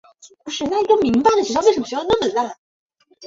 此时距离毅宗殉国方才两日。